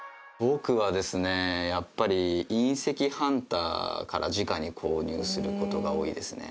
やっぱり隕石ハンターから直に購入することが多いですね